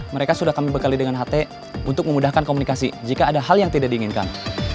mereka sudah kami bekali dengan ht untuk memudahkan komunikasi jika ada hal yang tidak diinginkan